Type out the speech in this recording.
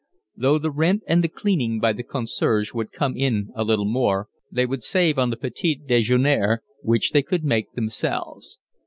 Though the rent and the cleaning by the concierge would come to a little more, they would save on the petit dejeuner, which they could make themselves.